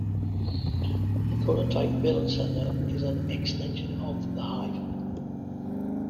The prototype build centre is an extension of The Hive.